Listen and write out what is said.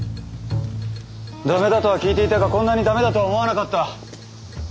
駄目だとは聞いていたがこんなに駄目だとは思わなかった。